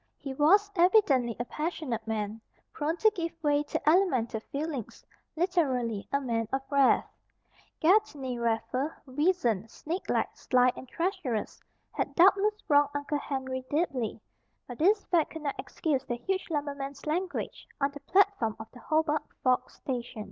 He was evidently a passionate man, prone to give way to elemental feelings, literally, "a man of wrath." Gedney Raffer, weazened, snakelike, sly, and treacherous, had doubtless wronged Uncle Henry deeply. But this fact could not excuse the huge lumberman's language on the platform of the Hobart Forks station.